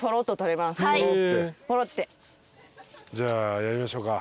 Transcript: じゃあやりましょうか。